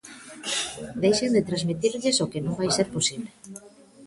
Deixen de transmitirlles o que non vai ser posible.